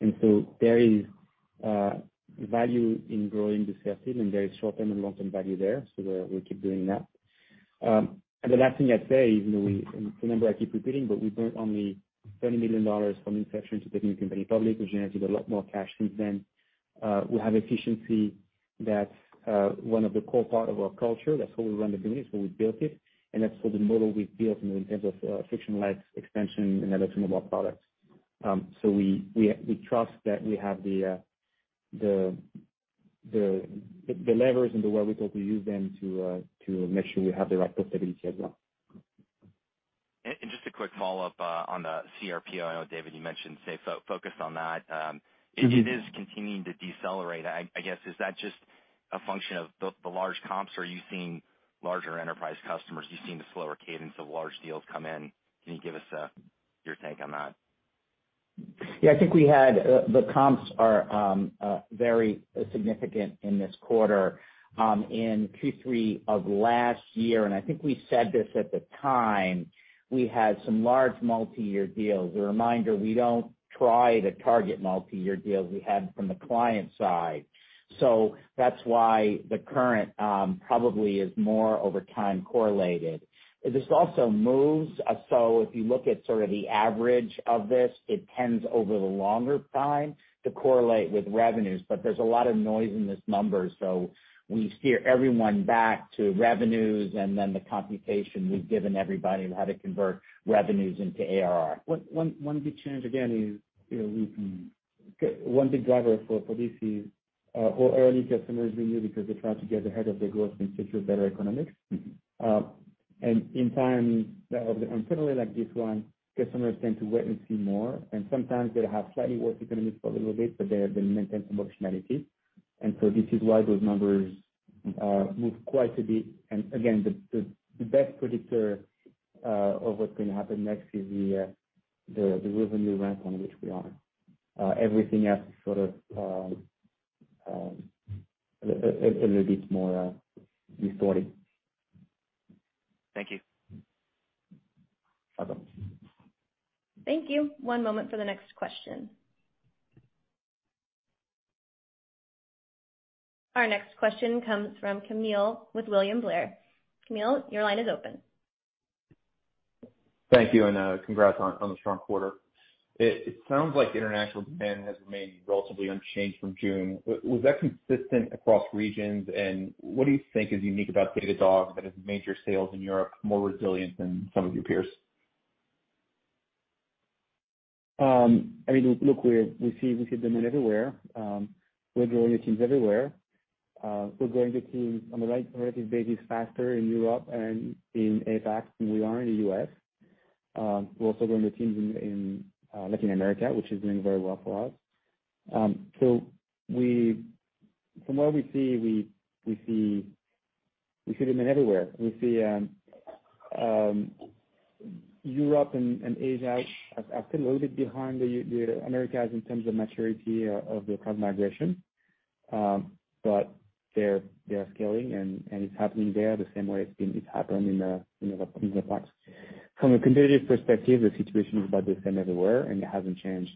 There is value in growing the sales team, and there is short-term and long-term value there. We'll keep doing that. The last thing I'd say, even though it's a number I keep repeating, but we burned only $30 million from inception to taking the company public, which generates a lot more cash since then. We have efficiency that's one of the core part of our culture. That's how we run the business, that's how we built it. That's sort of the model we've built in terms of frictionless expansion and evolution of our products. We trust that we have the levers and the way we're going to use them to make sure we have the right profitability as well. Just a quick follow-up on the CRPO. I know, David, you mentioned stay focused on that. It is continuing to decelerate. I guess, is that just a function of the large comps, or are you seeing larger enterprise customers? Are you seeing the slower cadence of large deals come in? Can you give us your take on that? Yeah. I think we had the comps are very significant in this quarter. In Q3 of last year, and I think we said this at the time, we had some large multi-year deals. A reminder, we don't try to target multi-year deals. We had them from the client side. That's why the current probably is more over time correlated. This also moves. If you look at sort of the average of this, it tends over the longer time to correlate with revenues. There's a lot of noise in this number, so we steer everyone back to revenues and then the computation we've given everybody of how to convert revenues into ARR. One big driver for this is our early customers renew because they're trying to get ahead of their growth and secure better economics. Mm-hmm. In times of, particularly like this one, customers tend to wait and see more, and sometimes they'll have slightly worse economics for a little bit, but they maintain some optionality. This is why those numbers move quite a bit. Again, the best predictor of what's gonna happen next is the revenue run rate on which we are. Everything else is sort of a little bit more distorted. Thank you. Welcome. Thank you. One moment for the next question. Our next question comes from Kamil with William Blair. Kamil, your line is open. Thank you, congrats on the strong quarter. It sounds like international demand has remained relatively unchanged from June. Was that consistent across regions? What do you think is unique about Datadog that has major sales in Europe more resilient than some of your peers? I mean, look, we see demand everywhere. We're growing the teams everywhere. We're growing the teams on a relative basis faster in Europe and in APAC than we are in the U.S. We're also growing the teams in Latin America, which is doing very well for us. From what we see, we see demand everywhere. We see Europe and Asia as still a little bit behind the Americas in terms of maturity of the cloud migration. They are scaling and it's happening there the same way it's happened in the past. From a competitive perspective, the situation is about the same everywhere, and it hasn't changed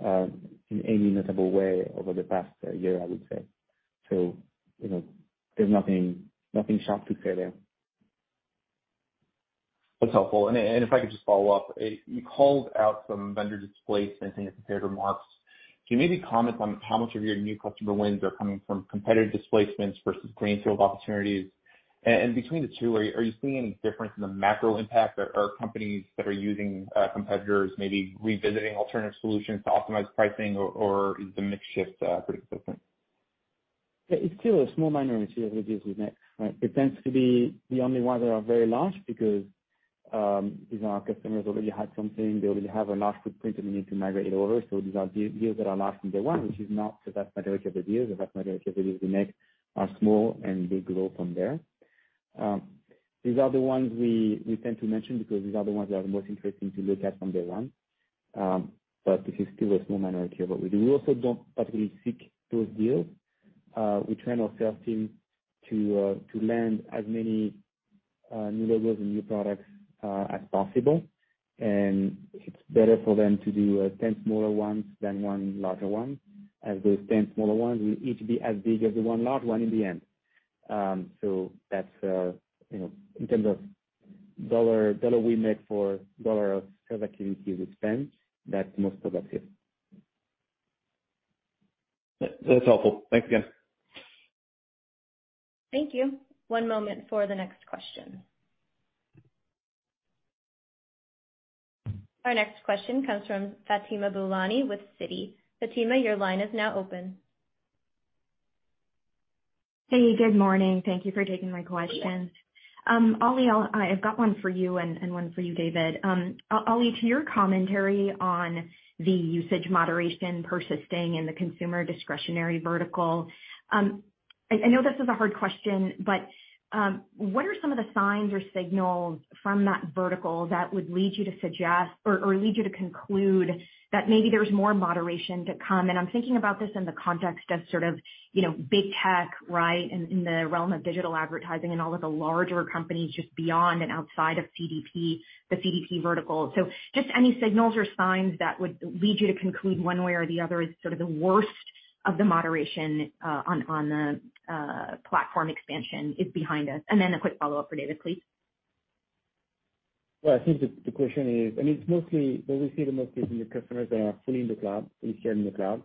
in any notable way over the past year, I would say. You know, there's nothing sharp to say there. That's helpful. If I could just follow up. You called out some vendor displacement in your prepared remarks. Can you maybe comment on how much of your new customer wins are coming from competitive displacements versus greenfield opportunities? Between the two, are you seeing any difference in the macro impact? Are companies that are using competitors maybe revisiting alternative solutions to optimize pricing or is the mix shift pretty consistent? Yeah, it's still a small minority of the deals we make, right? It tends to be the only ones that are very large because these are customers who already had something, they already have a large footprint, and they need to migrate it over. These are deals that are large from day one, which is not the vast majority of the deals. The vast majority of the deals we make are small, and they grow from there. These are the ones we tend to mention because these are the ones that are most interesting to look at from day one. This is still a small minority of what we do. We also don't particularly seek those deals. We train our sales team to land as many new logos and new products as possible. It's better for them to do 10 smaller ones than 1 larger one, as those 10 smaller ones will each be as big as the one large one in the end. So that's, you know, in terms of dollar we make for dollar of sales activity we spend, that's most productive. That's helpful. Thanks again. Thank you. One moment for the next question. Our next question comes from Fatima Boolani with Citi. Fatima, your line is now open. Hey, good morning. Thank you for taking my questions. Oli, I've got one for you and one for you, David. Oli, to your commentary on the usage moderation persisting in the consumer discretionary vertical. I know this is a hard question, but what are some of the signs or signals from that vertical that would lead you to suggest or lead you to conclude that maybe there's more moderation to come? I'm thinking about this in the context of sort of, you know, big tech, right? In the realm of digital advertising and all of the larger companies just beyond and outside of CDP, the CDP vertical. Just any signals or signs that would lead you to conclude one way or the other is sort of the worst of the moderation on the platform expansion is behind us. Then a quick follow-up for David, please. Well, I think the question is, and it's mostly that we see the most is in the customers that are fully in the cloud, fully sharing the cloud.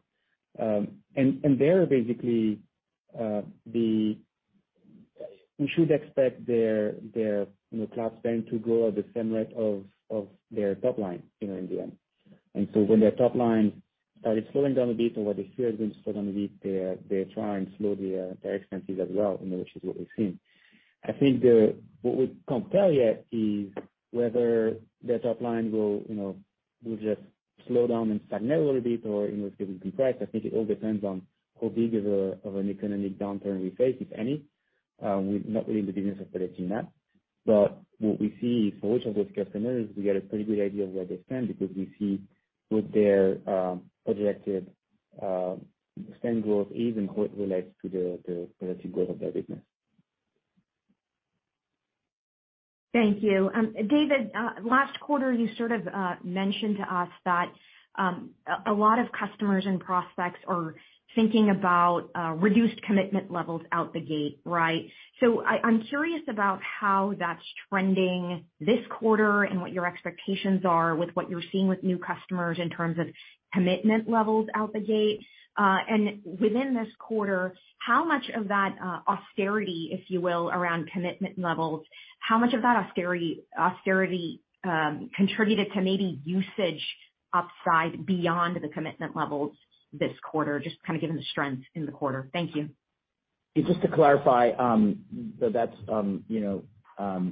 And they're basically. We should expect their, you know, cloud spend to grow at the same rate of their top line, you know, in the end. When their top line started slowing down a bit or what they fear has been slowed down a bit, they try and slow their expenses as well, you know, which is what we've seen. I think what we can't tell yet is whether their top line will, you know, just slow down and stagnate a little bit or, you know, it will contract. I think it all depends on how big of an economic downturn we face, if any. We're not really in the business of predicting that. What we see for each of those customers, we get a pretty good idea of where they stand because we see what their projected spend growth is and what relates to the relative growth of their business. Thank you. David, last quarter you sort of mentioned to us that a lot of customers and prospects are thinking about reduced commitment levels out the gate, right? I'm curious about how that's trending this quarter and what your expectations are with what you're seeing with new customers in terms of commitment levels out the gate. Within this quarter, how much of that austerity, if you will, around commitment levels, how much of that austerity contributed to maybe usage upside beyond the commitment levels this quarter, just kind of given the strength in the quarter? Thank you. Just to clarify, that's, you know,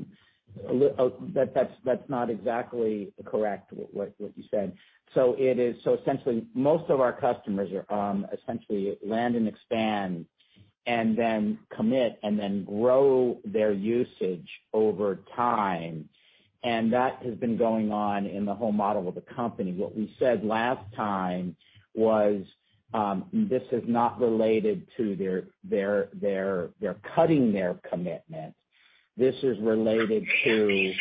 that's not exactly correct what you said. Essentially most of our customers are essentially land and expand and then commit and then grow their usage over time. That has been going on in the whole model of the company. What we said last time was this is not related to they're cutting their commitment. This is related to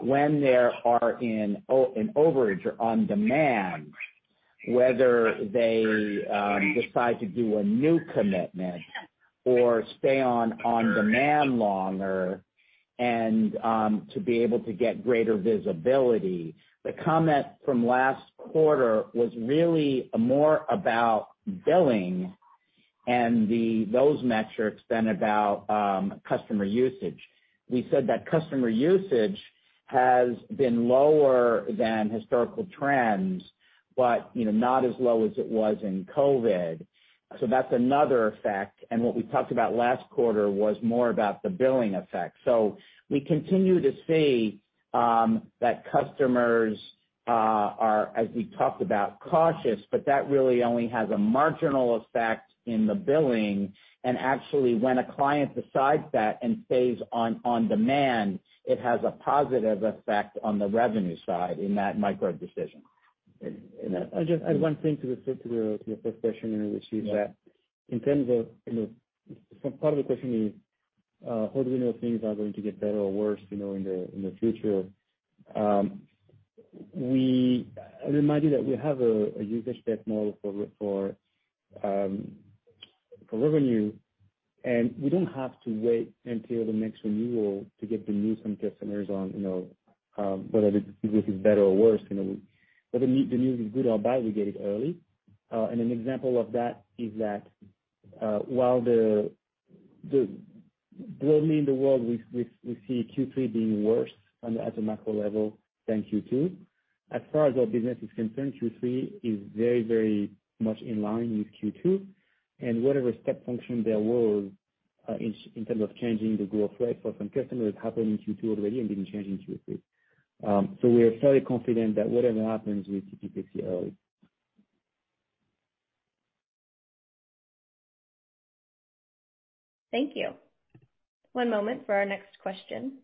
when there are in an overage or on demand, whether they decide to do a new commitment or stay on demand longer and to be able to get greater visibility. The comment from last quarter was really more about billing and those metrics than about customer usage. We said that customer usage has been lower than historical trends, but, you know, not as low as it was in COVID. That's another effect. What we talked about last quarter was more about the billing effect. We continue to see that customers are, as we talked about, cautious, but that really only has a marginal effect in the billing. Actually, when a client decides that and stays on demand, it has a positive effect on the revenue side in that micro decision. I just add one thing to your first question, and it is that in terms of, you know, some part of the question is, how do we know things are going to get better or worse, you know, in the future? We remind you that we have a usage-based model for revenue, and we don't have to wait until the next renewal to get the news from customers on, you know, whether the business is better or worse, you know. Whether the news is good or bad, we get it early. An example of that is that while globally in the world, we see Q3 being worse at the macro level than Q2. As far as our business is concerned, Q3 is very, very much in line with Q2, and whatever step function there was, in terms of changing the growth rate for some customers happened in Q2 already and didn't change in Q3. We are fairly confident that whatever happens, we see it pretty early. Thank you. One moment for our next question.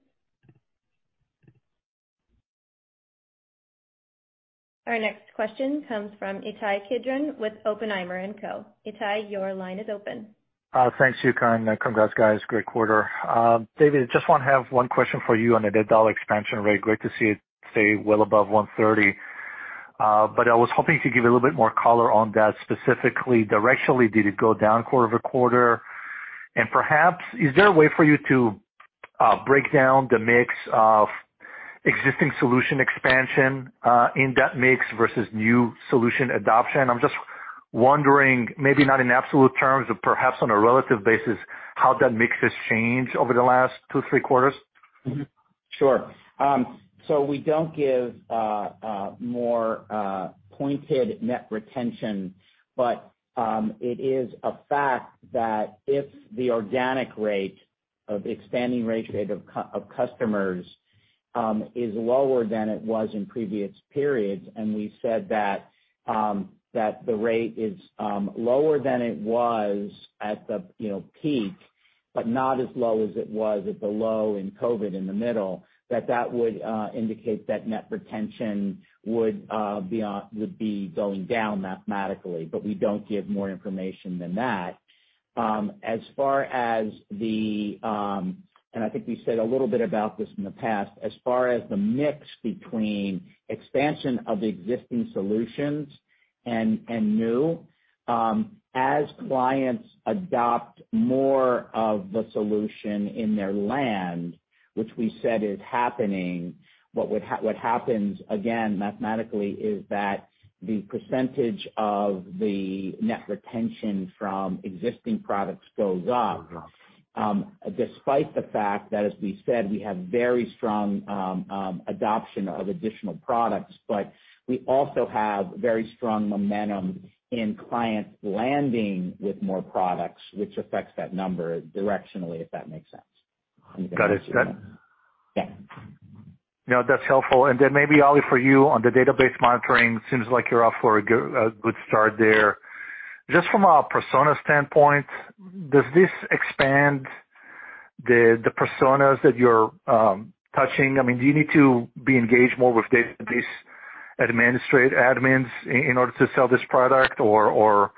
Our next question comes from Ittai Kidron with Oppenheimer & Co. Ittai, your line is open. Thanks, Yuka, and congrats, guys. Great quarter. David, just wanna have one question for you on the net dollar expansion rate. Great to see it stay well above 130. I was hoping to give a little bit more color on that specifically. Directionally, did it go down quarter-over-quarter? Perhaps is there a way for you to break down the mix of existing solution expansion in that mix versus new solution adoption? I'm just wondering, maybe not in absolute terms, but perhaps on a relative basis, how that mix has changed over the last two, three quarters. Sure. We don't give more pointed net retention, but it is a fact that if the organic rate of expanding ratio rate of customers is lower than it was in previous periods, and we said that the rate is lower than it was at the, you know, peak, but not as low as it was at the low in COVID in the middle, that would indicate that net retention would be going down mathematically. We don't give more information than that. I think we said a little bit about this in the past, as far as the mix between expansion of existing solutions and new, as clients adopt more of the solution in their land, which we said is happening, what would happen, again, mathematically, is that the percentage of the net retention from existing products goes up. Mm-hmm. Despite the fact that, as we said, we have very strong adoption of additional products, but we also have very strong momentum in clients landing with more products, which affects that number directionally, if that makes sense. Got it. Yeah. No, that's helpful. Then maybe, Oli, for you on the Database Monitoring, seems like you're off to a good start there. Just from a persona standpoint, does this expand the personas that you're touching? I mean, do you need to be engaged more with these database admins in order to sell this product? Or,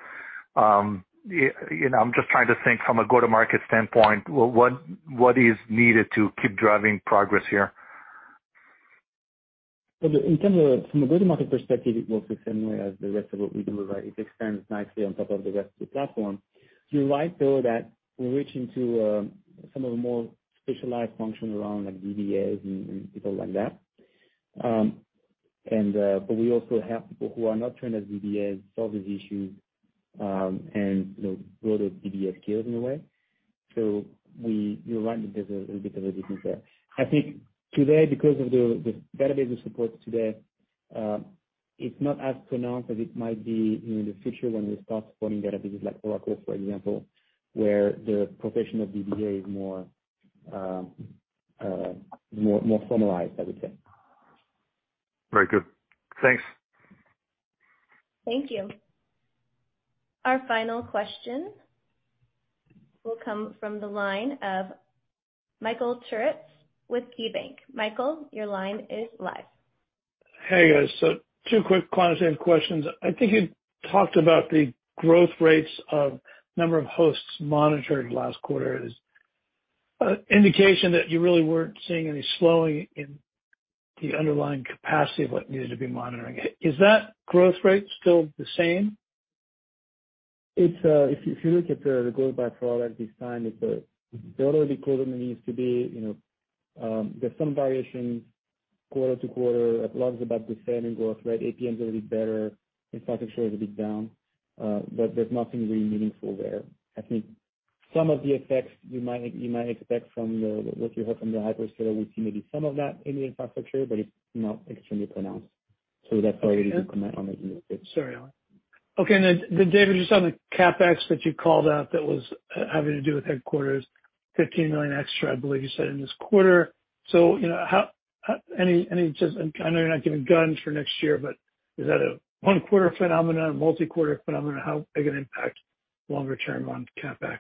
you know, I'm just trying to think from a go-to-market standpoint, what is needed to keep driving progress here? Well, in terms of from a go-to-market perspective, it works the same way as the rest of what we do, right? It expands nicely on top of the rest of the platform. You're right, though, that we're reaching to some of the more specialized function around like DBAs and people like that. But we also have people who are not trained as DBAs solve these issues, and you know, broader DBA skills in a way. You're right that there's a bit of a difference there. I think today, because of the database we support today, it's not as pronounced as it might be in the future when we start supporting databases like Oracle, for example, where the profession of DBA is more formalized, I would say. Very good. Thanks. Thank you. Our final question will come from the line of Michael Turits with KeyBanc. Michael, your line is live. Hey, guys. Two quick quantitative questions. I think you talked about the growth rates of number of hosts monitored last quarter as an indication that you really weren't seeing any slowing in the underlying capacity of what needed to be monitored. Is that growth rate still the same? If you look at the growth by product this time, it's already closer than it used to be. You know, there's some variation quarter to quarter. A lot is about the same in growth rate. APM is a little bit better. Infrastructure is a bit down. There's nothing really meaningful there. I think some of the effects you might expect from what you heard from the hyperscalers, we've seen maybe some of that in the infrastructure, but it's not extremely pronounced. That's why I didn't comment on it. Sorry, Oli. Okay. Then David, just on the CapEx that you called out, that was having to do with headquarters, $15 million extra, I believe you said, in this quarter. You know, how? Any just? I know you're not giving guidance for next year, but is that a one quarter phenomenon, a multi-quarter phenomenon? How big an impact longer term on CapEx?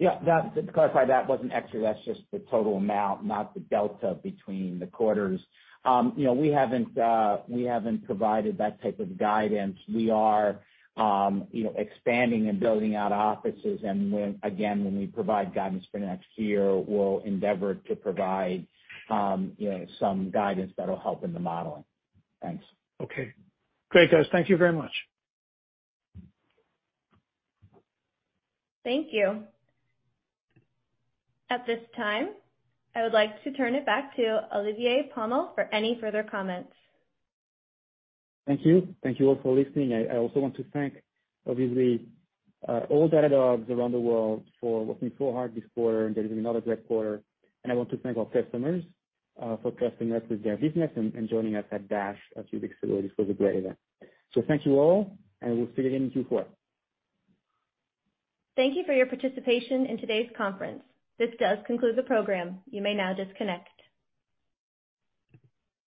Yeah. That, to clarify, that wasn't extra. That's just the total amount, not the delta between the quarters. You know, we haven't provided that type of guidance. We are, you know, expanding and building out offices, and when we provide guidance for next year, we'll endeavor to provide, you know, some guidance that'll help in the modeling. Thanks. Okay. Great, guys. Thank you very much. Thank you. At this time, I would like to turn it back to Olivier Pomel for any further comments. Thank you. Thank you all for listening. I also want to thank, obviously, all Datadogs around the world for working so hard this quarter and delivering another great quarter. I want to thank our customers for trusting us with their business and joining us at DASH a few weeks ago. This was a great event. Thank you all, and we'll see you again in Q4. Thank you for your participation in today's conference. This does conclude the program. You may now disconnect.